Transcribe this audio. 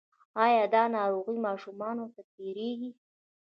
ایا دا ناروغي ماشومانو ته تیریږي؟